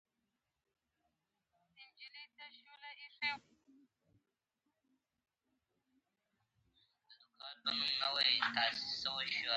پښتانه بايد په خپلو دودونو او کلتور ساتنه وکړي، ترڅو نسلونه يې وپېژني.